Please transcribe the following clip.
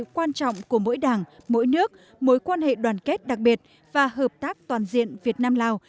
quan trọng của mỗi đảng mỗi nước mối quan hệ đoàn kết đặc biệt và hợp tác toàn diện việt nam lào